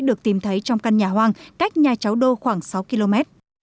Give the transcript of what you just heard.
được tìm thấy trong căn nhà hoang cách nhà cháu đô khoảng sáu km